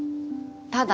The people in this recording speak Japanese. ただ。